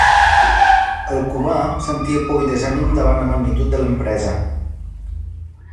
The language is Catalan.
El Cubà sentia por i desànim davant la magnitud de l'empresa.